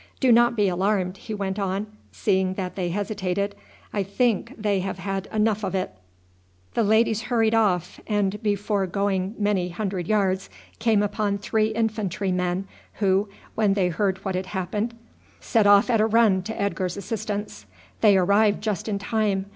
Do not be alarmed," he went on, seeing that they hesitated, "I think they have had enough of it." [Illustration: "EDGAR STRUCK HIM WITH ALL HIS STRENGTH."] The ladies hurried off, and before going many hundred yards came upon three infantry men, who, when they heard what had happened, set off at a run to Edgar's assistance. They arrived just in time.